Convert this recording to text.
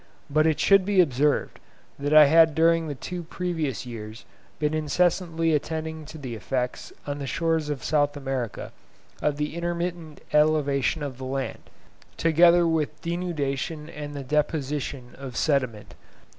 But it should be observed that I had during the two previous years been incessantly attending to the effects on the shores of South America of the intermittent elevation of the land, together with denudation and the deposition of sediment.